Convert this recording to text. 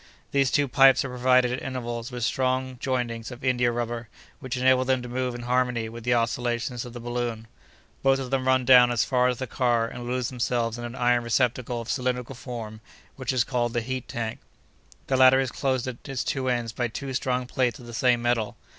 "These two pipes are provided at intervals with strong jointings of india rubber, which enable them to move in harmony with the oscillations of the balloon. "Both of them run down as far as the car, and lose themselves in an iron receptacle of cylindrical form, which is called the heat tank. The latter is closed at its two ends by two strong plates of the same metal.